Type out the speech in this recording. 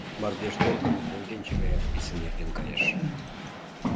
Мардеж толкын волгенче гаяк писын эртен кайыш.